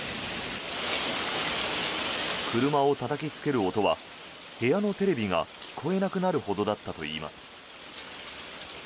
車をたたきつける音は部屋のテレビが聞こえなくなるほどだったといいます。